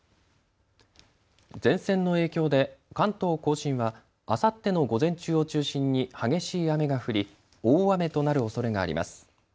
前線の影響で関東甲信はあさっての午前中を中心に激しい雨が降り大雨となるおそれがあります。